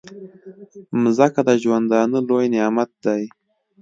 مځکه د ژوندانه لوی نعمت دی.